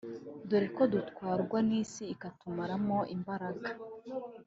dore ko dutwarwa n’isi ikatumaramo imbaraga